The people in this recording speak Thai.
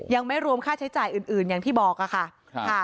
ยังไม่รวมค่าใช้จ่ายอื่นอย่างที่บอกค่ะ